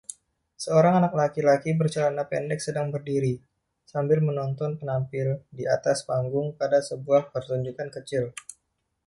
Seorang anak laki-laki bercelana pendek sedang berdiri, sambil menonton penampil di atas panggung pada sebuah pertunjukan kecil.